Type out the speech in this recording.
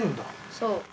そう。